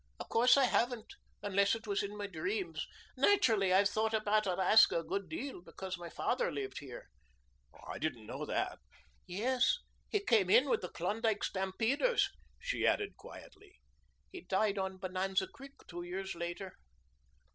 "Of course I haven't unless it was in my dreams. Naturally I've thought about Alaska a great deal because my father lived here." "I didn't know that." "Yes. He came in with the Klondike stampeders." She added quietly: "He died on Bonanza Creek two years later."